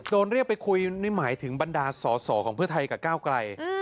โดนเรียกไปคุยนี่หมายถึงบรรดาสอสอของเพื่อไทยกับก้าวไกล